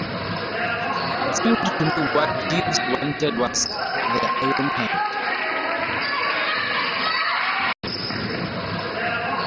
It seemed to me that what Jeeves wanted was the iron hand.